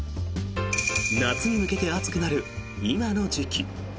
夏に向けて暑くなる今の時期。